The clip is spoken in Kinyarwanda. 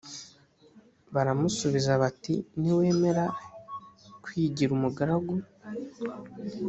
baramusubiza bati niwemera kwigira umugaragu